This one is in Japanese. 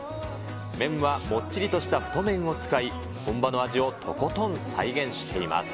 麺はもっちりとした太麺を使い、本場の味をとことん再現しています。